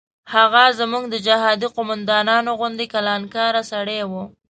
هغه زموږ د جهادي قوماندانانو غوندې کلانکاره سړی و.